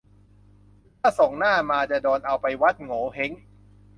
ถ้าส่งหน้ามาจะโดนเอาไปวัดโหงวเฮ้ง